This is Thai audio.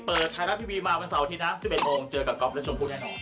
เปิดไทยรัฐทีวีมาวันเสาร์อาทิตย์นะ๑๑โมงเจอกับก๊อฟและชมพู่แน่นอน